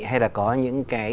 hay là có những cái